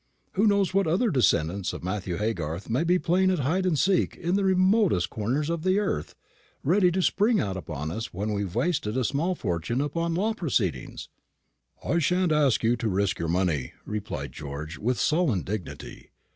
Who knows what other descendants of Matthew Haygarth may be playing at hide and seek in the remotest corners of the earth, ready to spring out upon us when we've wasted a small fortune upon law proceedings." "I shan't ask you to risk your money," replied George, with sullen dignity.